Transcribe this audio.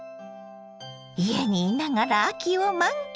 家に居ながら秋を満喫。